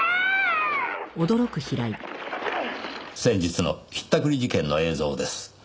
先日のひったくり事件の映像です。